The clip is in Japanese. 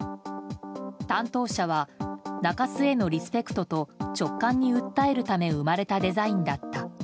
担当者は中洲へのリスペクトと直感に訴えるため生まれたデザインだった。